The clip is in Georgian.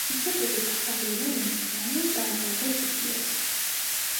თვისებებით ახალი ელემენტი ძალიან წააგავდა თუთიას.